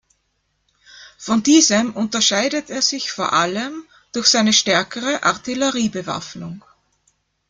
Von diesem unterscheidet er sich vor allem durch seine stärkere Artilleriebewaffnung.